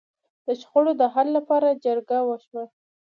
د شخړو د حل لپاره جرګه وشوه.